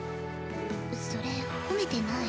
それ褒めてない。